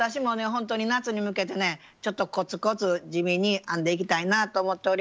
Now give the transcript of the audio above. ほんとに夏に向けてねちょっとこつこつ地味に編んでいきたいなと思っております。